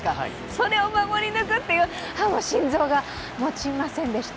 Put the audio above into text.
それを守り抜くという、もう心臓がもちませんでした。